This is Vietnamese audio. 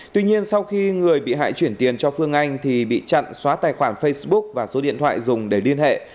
tuy nhiên sau khi người bị hại chuyển tiền cho phương anh thì bị chặn xóa tài khoản facebook và số điện thoại dùng để liên hệ